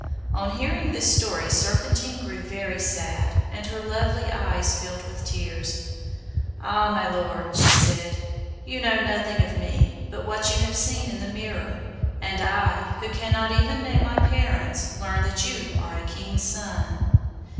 On hearing this story Serpentine grew very sad, and her lovely eyes filled with tears. 'Ah, my lord,' she said, 'you know nothing of me but what you have seen in the mirror; and I, who cannot even name my parents, learn that you are a king's son.